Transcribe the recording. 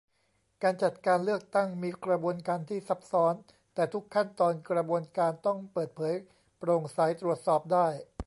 การจัดการเลือกตั้งมีกระบวนการที่ซับซ้อน แต่ทุกขั้นตอนกระบวนการต้องเปิดเผย โปร่งใสตรวจสอบได้